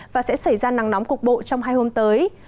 và sẽ xảy ra nắng nóng cục bộ trong hai hôm tới